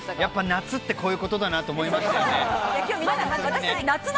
夏ってこういうことだなって思いましたね。